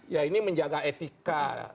ya ini menjaga etika